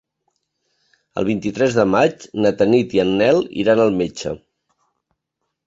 El vint-i-tres de maig na Tanit i en Nel iran al metge.